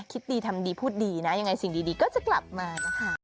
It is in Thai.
คิดดีทำดีพูดดีนะยังไงสิ่งดีก็จะกลับมานะคะ